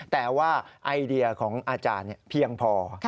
แต่ว่าไอเดียของอาจารย์เพียงพอ